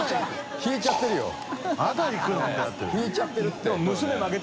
引いちゃってるって。